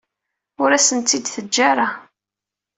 Ur asen-tent-id-teǧǧa ara.